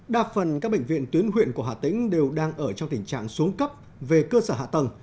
đa phần các bệnh viện tuyến huyện của hà tĩnh đều đang ở trong tình trạng xuống cấp về cơ sở hạ tầng